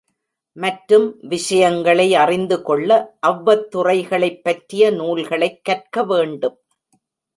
மற்றும் விஷயங்களை அறிந்துகொள்ள அவ்வத் துறைகளைப்பற்றிய நூல்களைக் கற்க வேண்டும்.